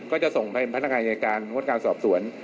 ก็จะส่งให้พนักงานอายการงดการสอบสวน